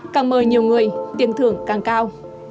càng mời nhiều người tiền thưởng càng cao